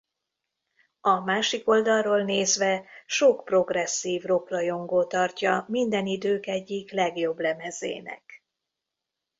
A másik oldalról nézve sok progresszív rock-rajongó tartja minden idők egyik legjobb lemezének.